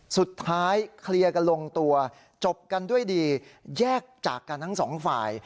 สุดท้ายเคลียร์กันลงตัวจบกันด้วยดีแยกจากกันทั้งสองฝ่าย